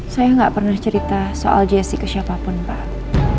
saya gak pernah cerita soal jessy ke siapapun pak